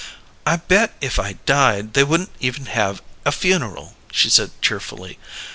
"I bet if I died, they wouldn't even have a funeral," she said cheerfully.